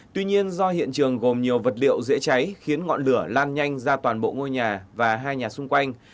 tuy nhiên do hiện trường gồm nhiều vật liệu dễ cháy khiến ngọn lửa lan nhanh ra toàn bộ ngôi nhà và hai nhà xung quanh